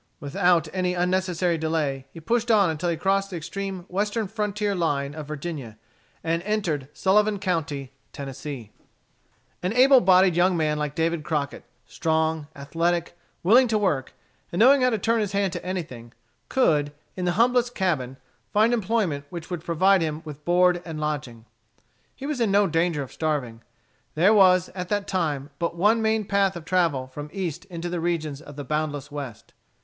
Without any unnecessary delay he pushed on until he crossed the extreme western frontier line of Virginia, and entered Sullivan County, Tennessee. An able bodied young man like David Crockett, strong, athletic, willing to work, and knowing how to turn his hand to anything, could, in the humblest cabin, find employment which would provide him with board and lodging. He was in no danger of starving. There was, at that time, but one main path of travel from the East into the regions of the boundless West.